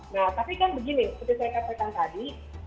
nah tapi kan begini seperti saya katakan tadi